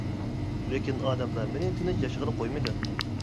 لېكىن ئادەملەر مېنى تىنچ ياشىغىلى قويمىدى.